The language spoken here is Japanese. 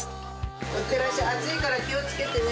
いってらっしゃい、暑いから気をつけてね。